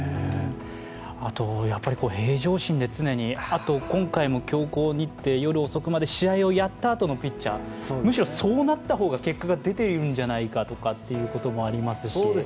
あと平常心で常に、今回も強行日程、夜遅くまで試合をやったあとのピッチャー、むしろそうなった方が結果が出ているんじゃないかということもありますし。